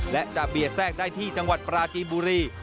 และจะเบียดแทรกได้ที่จังหวัดปราจีนบุรี